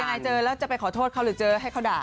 อายเจอแล้วจะไปขอโทษเขาหรือเจอให้เขาด่า